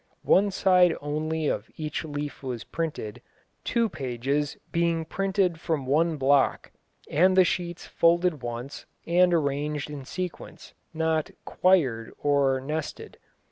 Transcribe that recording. One side only of each leaf was printed, two pages being printed from one block, and the sheets folded once and arranged in sequence, not "quired" or "nested."